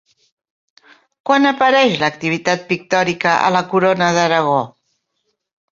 Quan apareix l'activitat pictòrica a la Corona d'Aragó?